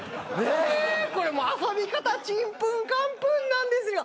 これもう遊び方ちんぷんかんぷんなんですよ。